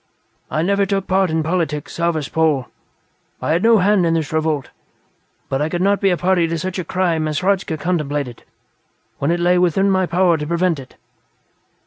I never took part in politics, Zarvas Pol; I had no hand in this revolt. But I could not be party to such a crime as Hradzka contemplated when it lay within my power to prevent it."